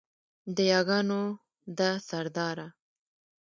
د یاګانو ده سرداره